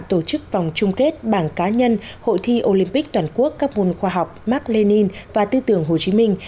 tổ chức vòng chung kết bảng cá nhân hội thi olympic toàn quốc các môn khoa học mark lenin và tư tưởng hồ chí minh